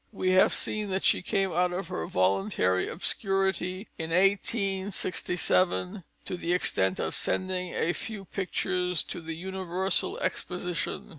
We have seen that she came out of her voluntary obscurity in 1867 to the extent of sending a few pictures to the Universal Exposition.